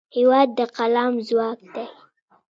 هېواد د قلم ځواک دی.